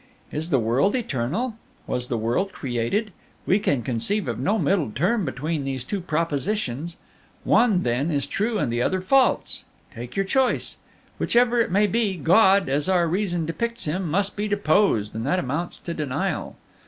"Is the world eternal? Was the world created? We can conceive of no middle term between these two propositions; one, then, is true and the other false! Take your choice. Whichever it may be, God, as our reason depicts Him, must be deposed, and that amounts to denial.